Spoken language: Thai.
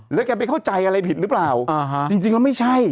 แล้วแกไปเข้าใจอะไรผิดหรือเปล่าอ่าฮะจริงแล้วไม่ใช่